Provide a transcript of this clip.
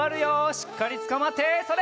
しっかりつかまってそれ！